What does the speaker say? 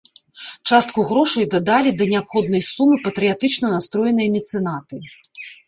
Частку грошай дадалі да неабходнай сумы патрыятычна настроеныя мецэнаты.